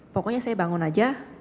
pokoknya saya bangun aja